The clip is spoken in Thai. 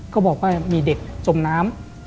ก็บอกว่ามีเด็กจมน้ำ